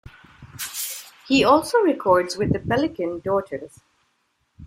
He also records with the Pelican Daughters.